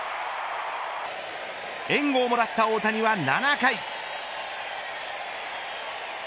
援護をもらった大谷は７回。